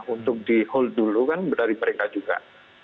untuk dihold dulu kan dari mereka juga